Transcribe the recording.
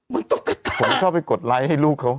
เขาชอบกดไลก์ให้ลูกครัว